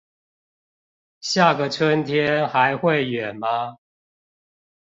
下個春天還會遠嗎